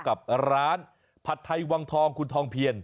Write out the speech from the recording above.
กับร้านผัดไทยวังทองคุณทองเพียร